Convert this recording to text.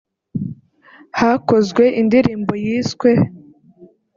hakozwe indirimbo yiswe